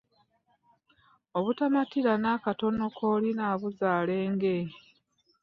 obutamatira na katono k'olina buzaala enge.